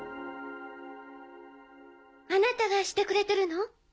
あなたがしてくれてるの？